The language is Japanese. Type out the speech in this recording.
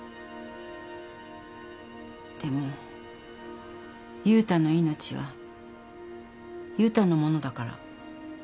でも悠太の命は悠太のものだから。